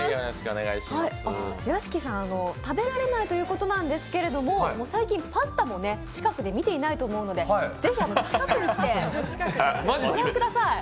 屋敷さん、食べられないということなんですけれども最近、パスタも見ていないと思うので、ぜひ近くに来てご覧ください。